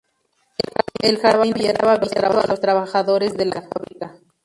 El jardín estaba abierto a los trabajadores de la fábrica.